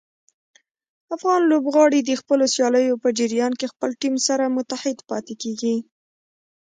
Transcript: افغان لوبغاړي د خپلو سیالیو په جریان کې خپل ټیم سره متحد پاتې کېږي.